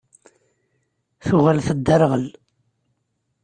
Tuɣal tedderɣel.